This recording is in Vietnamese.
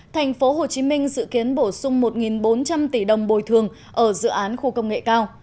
thành phố hồ chí minh dự kiến bổ sung một bốn trăm linh tỷ đồng bồi thường ở dự án khu công nghệ cao